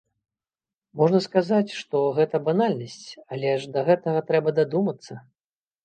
Можна сказаць, што гэта банальнасць, але ж да гэтага трэба дадумацца!